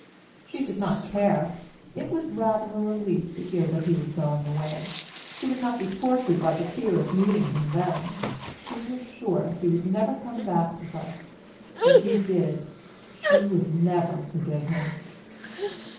She did not care. It was rather a relief to hear that he was going away. She would not be tortured by the fear of meeting him then. She was sure he would never come back to her. If he did, she would never forgive him.